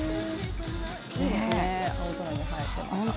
いいですね、青空に映えて。